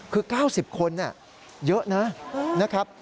คือ๙๐คนเยอะนะ